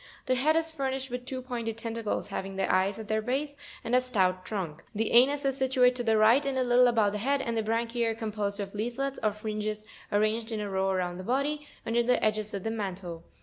The head is furnished with two pointed tentacles, having the eyes at their base, and a stout trunk; the anus is situate to the right, and a Jittle above the head, and the branchiz are composed of leaflets or fringes, arranged in a row around the body, under the edges of the mantle.